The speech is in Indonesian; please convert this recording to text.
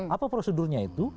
apa prosedurnya itu